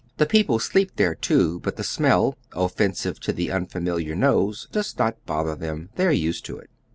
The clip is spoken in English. The people sleep there too, but the smell, offensive to tlte unfamiliar nose, does not bother them. They are used to it.